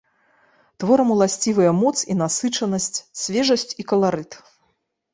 Творам уласцівыя моц і насычанасць, свежасць і каларыт.